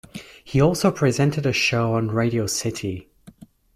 He also presented a show on Radio City.